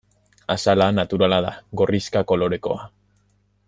Azala naturala da, gorrixka kolorekoa.